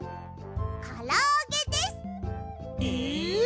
からあげです！え！？